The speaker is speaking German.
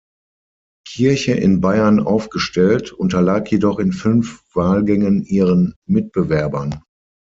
Kirche in Bayern aufgestellt, unterlag jedoch in fünf Wahlgängen ihren Mitbewerbern.